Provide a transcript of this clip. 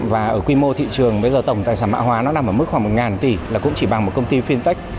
và ở quy mô thị trường bây giờ tổng tài sản mạ hóa nó nằm ở mức khoảng một tỷ là cũng chỉ bằng một công ty fintech